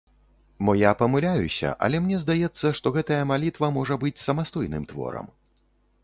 Мо я памыляюся, але мне здаецца, што гэтая малітва можа быць самастойным творам.